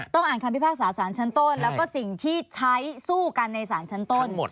อ่านคำพิพากษาสารชั้นต้นแล้วก็สิ่งที่ใช้สู้กันในศาลชั้นต้น